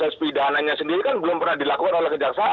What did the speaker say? proses pidananya sendiri kan belum pernah dilakukan oleh kejaksaan